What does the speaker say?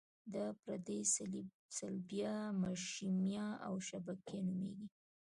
دا پردې صلبیه، مشیمیه او شبکیه نومیږي.